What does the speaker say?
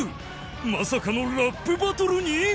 まさかのラップバトルに？